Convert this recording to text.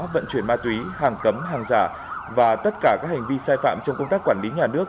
vận chuyển ma túy hàng cấm hàng giả và tất cả các hành vi sai phạm trong công tác quản lý nhà nước